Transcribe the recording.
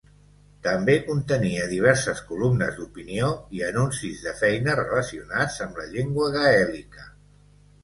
També contenia diverses columnes d'opinió i anuncis de feina relacionats amb la llengua gaèlica.